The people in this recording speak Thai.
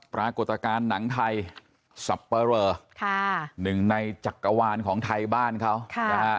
ปรากฏการณ์หนังไทยสับปะเรอค่ะหนึ่งในจักรวาลของไทยบ้านเขานะฮะ